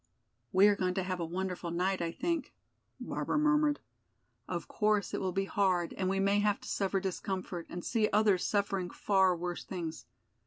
"We are going to have a wonderful night, I think," Barbara murmured. "Of course it will be hard and we may have to suffer discomfort and see others suffering far worse things.